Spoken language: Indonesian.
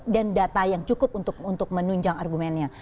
dan data yang cukup untuk menunjang argumennya